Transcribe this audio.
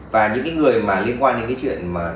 và những người liên quan đến cái chuyện